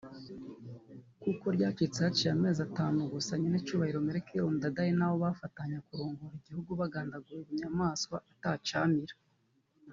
kuko ryashitse haciye amezi atanu gusa nyenicubahiro Melchior Ndadaye n’abo bafashanya kurongora igihugu bagandaguwe bunyamaswa atacamira